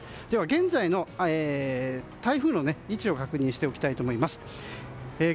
現在の台風の位置を確認しておきたいと思います。